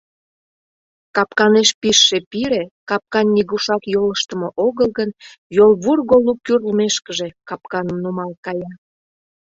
Капканеш пижше пире, капкан нигушак йолыштымо огыл гын, йолвурго лу кӱрлмешкыже, капканым нумал кая.